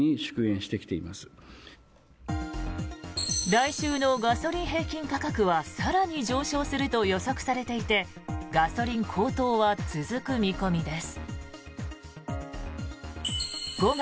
来週のガソリン平均価格は更に上昇すると予測されていてガソリン高騰は続く見込みです。